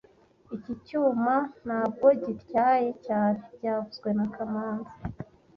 Iki cyuma ntabwo gityaye cyane byavuzwe na kamanzi